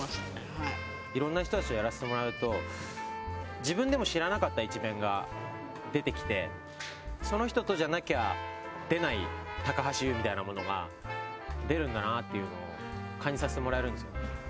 はい色んな人たちとやらせてもらうと自分でも知らなかった一面が出てきてその人とじゃなきゃ出ない高橋優みたいなものが出るんだなっていうのを感じさせてもらえるんですよね